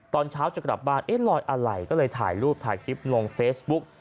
ตอนเช้าจะกลับบ้านเอ๊ะลอยอะไรก็เลยถ่ายรูปถ่ายคลิปลงเฟซบุ๊ก